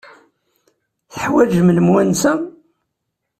Teḥwajem lemwansa?